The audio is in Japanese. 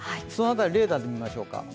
その辺りをレーダーで見ましょう。